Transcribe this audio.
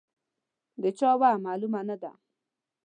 د چا وه، معلومه نه ده.